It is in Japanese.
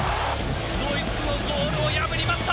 ドイツのゴールを破りました！